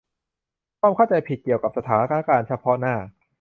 ความเข้าใจผิดเกี่ยวกับสถานการณ์เฉพาะหน้า